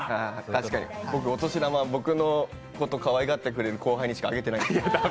確かに、僕のことかわいがってくれる後輩にしかお年玉あげてないから。